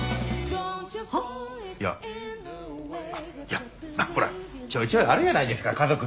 いやいやまあほらちょいちょいあるやないですか家族って。